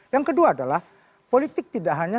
yang kedua adalah politik tidak hanya